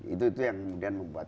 itu itu yang membuat